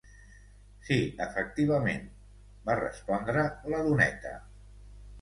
"Sí, efectivament" va respondre la doneta.